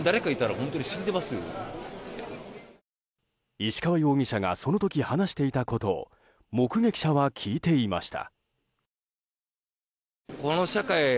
石川容疑者がその時、話していたことを目撃者は聞いていました。